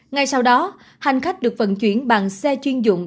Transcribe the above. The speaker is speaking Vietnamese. ngay sau đó hành khách được vận chuyển bằng xe chuyên dụng